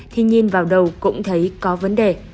thì nhìn vào đầu cũng thấy có vấn đề